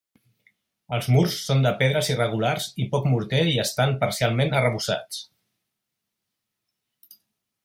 Els murs són de pedres irregulars i poc morter i estan parcialment arrebossats.